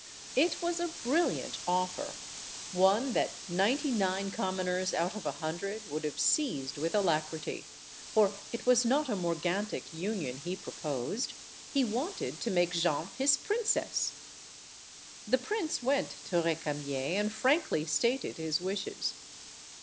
It was a brilliant offer, one that ninety nine com moners out of a hundred would have seized with alacrity; for it was not a morgantic union he proposed he wanted to make Jeanne his princess. The prince went to Recamier and frankly stated his wishes.